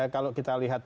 kalau kita lihat